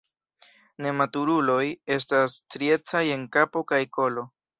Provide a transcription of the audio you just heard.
Nematuruloj estas striecaj en kapo kaj kolo.